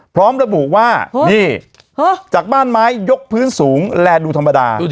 พร้อมระบุว่านี่จากบ้านไม้ยกพื้นสูงแลดูธรรมดา